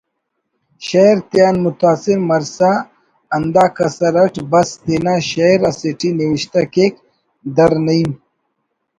شعر تیان متاثر مرسا ہندا کسر اٹ بس تینا شئیر اسیٹی نوشتہ کیک: در نعیم